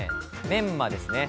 メンマですね。